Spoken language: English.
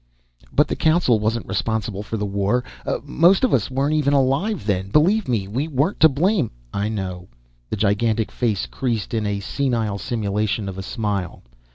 "But the council wasn't responsible for the war! Most of us weren't even alive, then. Believe me, we weren't to blame " "I know." The gigantic face creased in senile simulation of a smile.